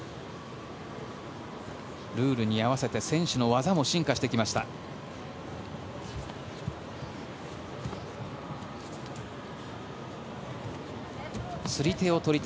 ルールに合わせて選手の技も進化してきました。